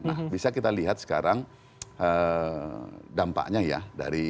nah bisa kita lihat sekarang dampaknya ya